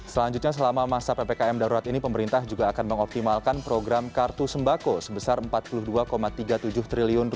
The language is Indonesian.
selanjutnya selama masa ppkm darurat ini pemerintah juga akan mengoptimalkan program kartu sembako sebesar rp empat puluh dua tiga puluh tujuh triliun